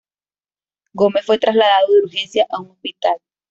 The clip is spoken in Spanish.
Gómez fue trasladado de urgencia a un hospital.